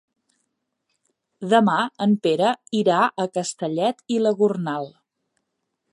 Demà en Pere irà a Castellet i la Gornal.